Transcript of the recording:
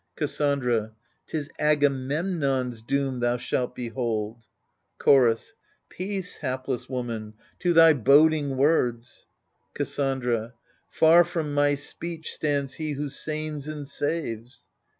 Cassandra 'Tis Agamemnon's doom thou shalt behold. Chorus Peace, hapless woman, to thy boding words I Cassandra Far from my speech stands he who sains and saves.